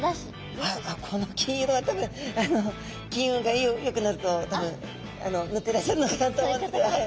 あっこの金色は多分金運がよくなるとぬっていらっしゃるのかなと思うんですけど。